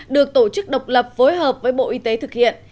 được tổ chức độc lập phối hợp với bộ y tế thực hiện